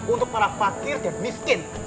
untuk para fakir dan miskin